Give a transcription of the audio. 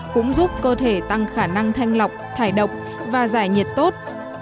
cũng giúp cơ thể tăng khả năng thanh lọc thải độc và giải nhiệt tốt